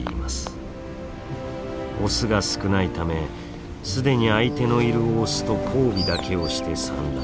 オスが少ないため既に相手のいるオスと交尾だけをして産卵。